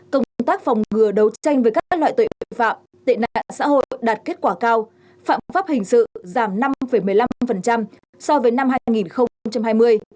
công tác phòng ngừa đấu tranh với các loại tội phạm tệ nạn xã hội đạt kết quả cao phạm pháp hình sự giảm năm một mươi năm so với năm hai nghìn hai mươi